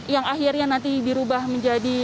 yang akhirnya nanti dirubah menjadi